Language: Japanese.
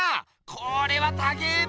これはたけえべ！